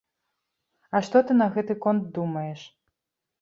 А што ты на гэты конт думаеш?